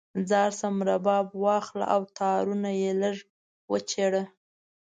ځار شم، رباب واخله او تارونه یې لږ وچیړه